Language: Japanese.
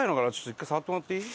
一回触ってもらっていい？